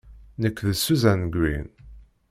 Nekk d Susan Greene.